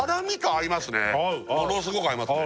合う合うものすごく合いますね